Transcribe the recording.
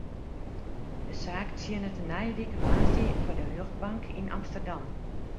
De saak tsjinnet nije wike woansdei foar de rjochtbank yn Amsterdam.